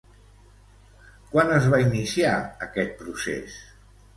Quan es va iniciar aquest procés?